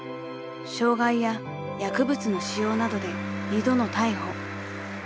［傷害や薬物の使用などで２度の逮捕］